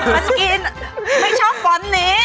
ไม่ชอบบอสนี้